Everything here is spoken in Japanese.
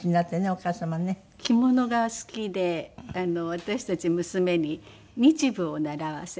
着物が好きで私たち娘に日舞を習わせて。